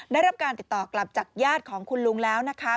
ได้รับการติดต่อกลับจากญาติของคุณลุงแล้วนะคะ